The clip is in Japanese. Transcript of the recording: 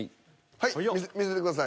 はい見せてください。